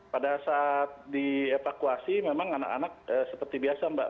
pada saat dievakuasi memang anak anak seperti biasa mbak